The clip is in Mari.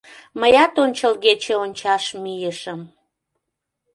Мыят ончылгече ончаш мийышым.